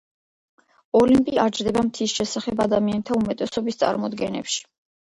ოლიმპი არ ჯდება მთის შესახებ ადამიანთა უმეტესობის წარმოდგენებში.